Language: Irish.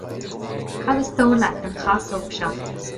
Cad is dóigh leat den chasóg seo?